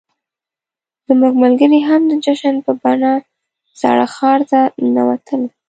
زموږ ملګري هم د جشن په بڼه زاړه ښار ته ننوتل.